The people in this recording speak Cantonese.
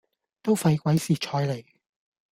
都費鬼事彩你